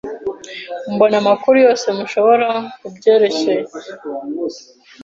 Mbona amakuru yose mushobora kubyerekeye .